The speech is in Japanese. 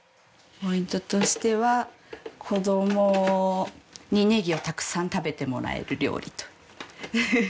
ポイントとしては子供にネギをたくさん食べてもらえる料理と。